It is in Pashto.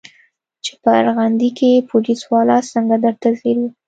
چې په ارغندې کښې پوليس والا څنګه درته ځير و.